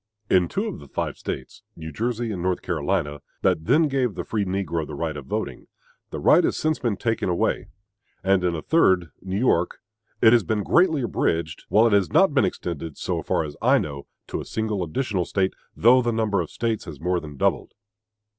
In two of the five States New Jersey and North Carolina that then gave the free negro the right of voting, the right has since been taken away; and in a third New York it has been greatly abridged; while it has not been extended, so far as I know, to a single additional State, though the number of the States has more than doubled.